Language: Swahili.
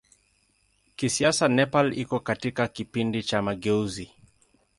Kisiasa Nepal iko katika kipindi cha mageuzi.